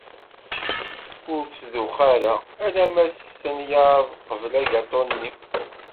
Ur ttdux ara! Alamma testenyaḍ qbel agatu-nni!